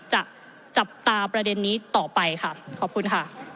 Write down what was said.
จับตาประเด็นนี้ต่อไปค่ะขอบคุณค่ะ